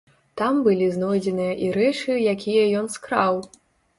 Там былі знойдзеныя і рэчы, якія ён скраў.